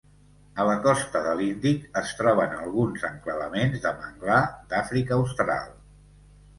A la costa de l'Índic es troben alguns enclavaments de manglar d'Àfrica austral.